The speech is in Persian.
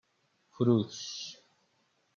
فروش